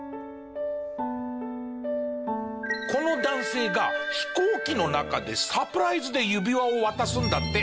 この男性が飛行機の中でサプライズで指輪を渡すんだって。